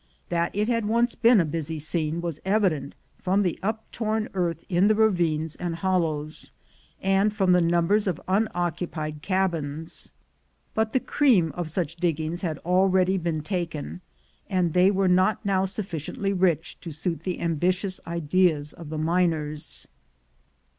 That it had once been a busy scene was evident from the uptom earth in the ravines and hollows, and from the numbers of unoccupied cabins; but the cream of such diggings had already been taken, and they were not now sufficiently rich to suit the ambitious ideas of the miners.